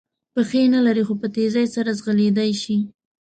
پښې نه لري خو په تېزۍ سره ځغلېدلای شي.